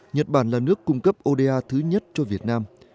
nhật bản là nước cung cấp oda thứ nhất cho việt nam